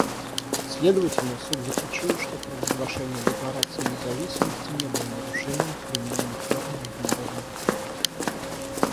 Следовательно, Суд заключил, что провозглашение декларации независимости не было нарушением применимых норм международного права.